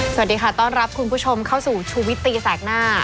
สวัสดีค่ะต้อนรับคุณผู้ชมเข้าสู่ชูวิตตีแสกหน้า